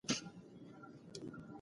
آیا تاسې قانون مراعات کوئ؟